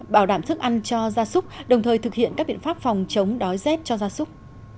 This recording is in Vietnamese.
bảo đảm thức ăn cho gia súc đồng thời thực hiện các biện pháp phòng chống đói rét cho gia súc